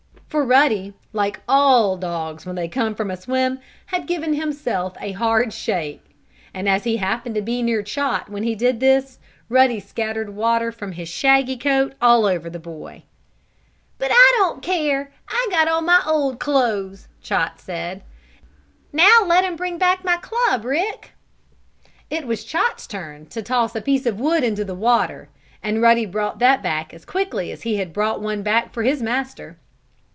For Ruddy, like all dogs when they come from a swim, had given himself a hard shake. And, as he happened to be near Chot when he did this, Ruddy scattered water from his shaggy coat all over the boy. "But I don't care I got on my old clothes," Chot said. "Now let him bring back my club, Rick." It was Chot's turn to toss a piece of wood into the water, and Ruddy brought that back as quickly as he had brought one back for his master.